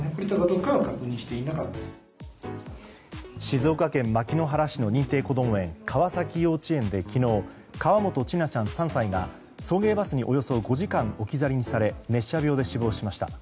静岡県牧之原市の認定こども園、川崎幼稚園で昨日、河本千奈ちゃん、３歳が送迎バスにおよそ５時間置き去りにされ熱射病で死亡しました。